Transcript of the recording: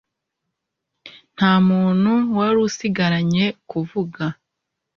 nta muntu wari usigaranye kuvuga